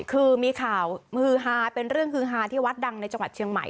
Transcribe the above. คือมีข่าวฮือฮาเป็นเรื่องฮือฮาที่วัดดังในจังหวัดเชียงใหม่